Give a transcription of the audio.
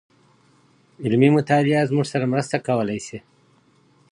علمي مطالعه زموږ سره مرسته کولای سي.